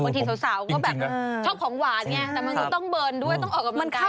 บางทีสาวก็แบบชอบของหวานอย่างนี้แต่มันต้องเบิร์นด้วยต้องออกกำลังกายด้วย